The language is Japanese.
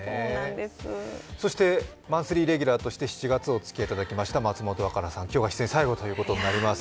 そしてマンスリーレギュラーとして７月おつきあいいただきました松本若菜さん、今日が出演最後ということになります。